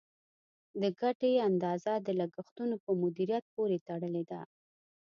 د ګټې اندازه د لګښتونو په مدیریت پورې تړلې ده.